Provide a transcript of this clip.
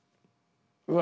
うわ！